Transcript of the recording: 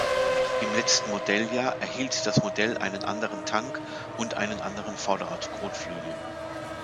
Im letzten Modelljahr erhielt das Modell einen anderen Tank und einen anderen Vorderrad-Kotflügel.